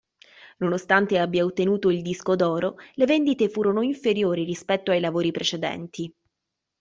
Nonostante abbia ottenuto il disco d'oro, le vendite furono inferiori rispetto ai lavori precedenti.